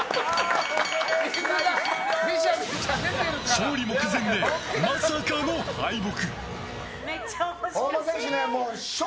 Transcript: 勝利目前で、まさかの敗北。